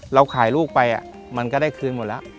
เราขายลูกไปมันก็ได้คืนหมดแล้ว